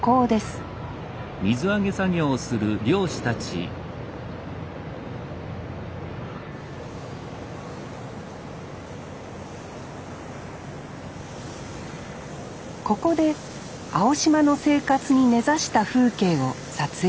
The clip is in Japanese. ここで青島の生活に根ざした風景を撮影しています